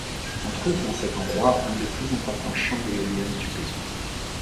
On trouve dans ce détroit un des plus importants champ d'éoliennes du pays.